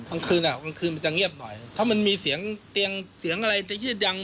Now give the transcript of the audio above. กลางคืนอ่ะกลางคืนมันจะเงียบหน่อยถ้ามันมีเสียงเตียงเสียงอะไรจะยืดยัง